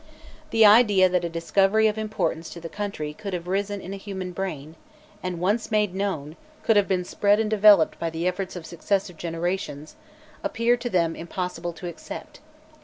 The idea that a discovery of importance to the country could have risen in a human brain, and, once made known, could have been spread and developed by the efforts of successive generations, appeared to them impossible to accept.